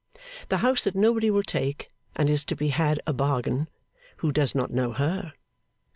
The house that nobody will take, and is to be had a bargain who does not know her?